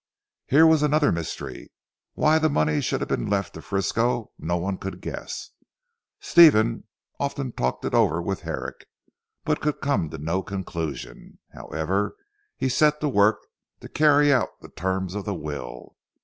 Here was another mystery. Why the money should have been left to Frisco no one could guess. Stephen often talked it over with Herrick, but could come to no conclusion. However he set to work to carry out the terms of the will.